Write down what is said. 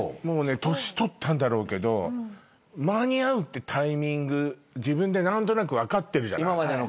もうね年取ったんだろうけど間に合うってタイミング自分で何となく分かってるじゃない。